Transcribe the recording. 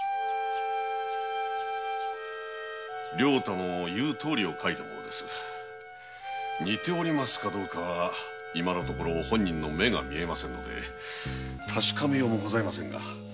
良太の言うとおりを描いたものですが似ているかどうかは今のところ本人の目が見えませんので確かめようもございません。